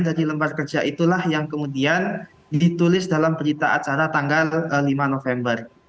dari lembar kerja itulah yang kemudian ditulis dalam berita acara tanggal lima november